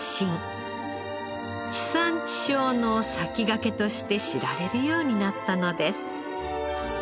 地産地消の先駆けとして知られるようになったのです。